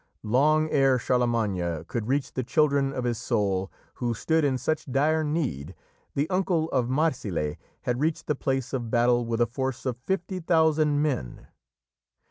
Long ere Charlemagne could reach the children of his soul who stood in such dire need, the uncle of Marsile had reached the place of battle with a force of fifty thousand men.